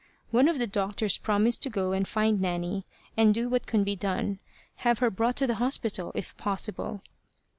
One of the doctors promised to go and find Nanny, and do what could be done have her brought to the hospital, if possible.